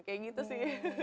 kayak gitu sih